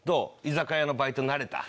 居酒屋のバイト慣れた？